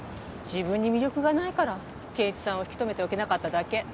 自分に魅力がないから圭一さんを引き留めておけなかっただけ。